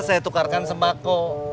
saya tukarkan sembako